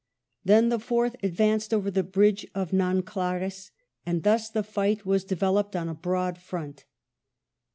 Then the Fourth advanced over the bridge of Nanckres, and thus the, fight was developed on a broad front.